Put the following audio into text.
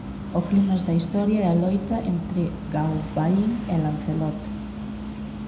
O clímax da historia é a loita entre Gauvain e Lancelot.